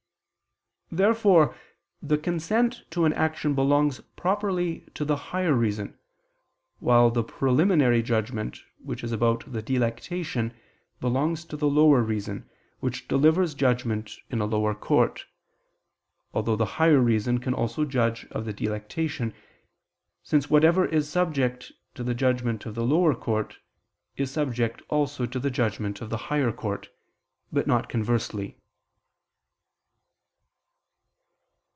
Therefore the consent to an action belongs properly to the higher reason, while the preliminary judgment which is about the delectation belongs to the lower reason, which delivers judgment in a lower court: although the higher reason can also judge of the delectation, since whatever is subject to the judgment of the lower court, is subject also to the judgment of the higher court, but not conversely.